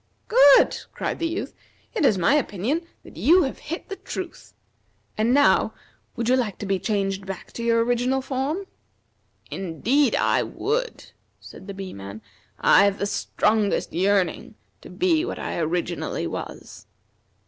"Good!" cried the Youth. "It is my opinion that you have hit the truth. And now would you like to be changed back to your original form?" "Indeed I would!" said the Bee man, "I have the strongest yearning to be what I originally was."